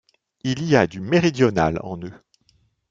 Il y a du méridional en eux.